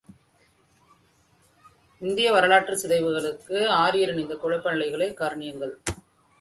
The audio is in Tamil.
இந்திய வரலாற்றுச் சிதைவுக்கு ஆரியரின் இந்தக் குழப்ப நிலைகளே கரணியங்கள்.